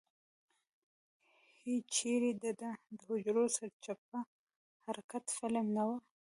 هېچېرې دده د حجرو د سرچپه حرکت فلم نه و.